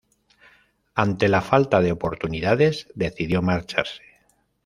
Ante la falta de oportunidades decidió marcharse.